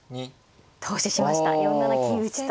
投資しました４七金打と。